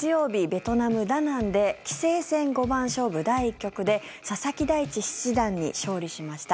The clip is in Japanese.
ベトナム・ダナンで棋聖戦五番勝負第１局で佐々木大地七段に勝利しました。